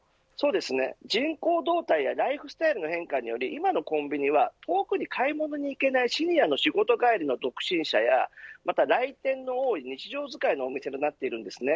人口動態やライフスタイルの変化により今のコンビニは遠くに買い物に行けないシニアの仕事帰りの独身者や来店の多い、日常使いのお店になっているんです。